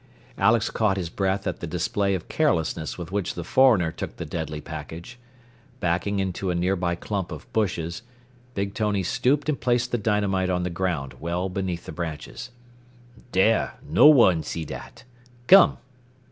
Alex caught his breath at the display of carelessness with which the foreigner took the deadly package. Backing into a nearby clump of bushes, Big Tony stooped and placed the dynamite on the ground, well beneath the branches. "Dere. No one see dat. Come!"